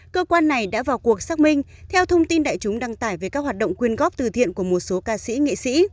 cơ quan này đã vào cuộc xác minh theo thông tin đại chúng đăng tải về các hoạt động quyên góp từ thiện của một số ca sĩ nghệ sĩ